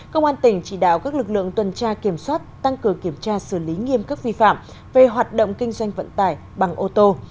công an tỉnh chỉ đạo các lực lượng tuần tra kiểm soát tăng cường kiểm tra xử lý nghiêm cấp vi phạm về hoạt động kinh doanh vận tải bằng ô tô